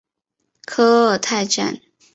科尔泰站